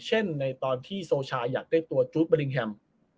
ในตอนที่โซชาอยากได้ตัวจู๊ดบริงแฮม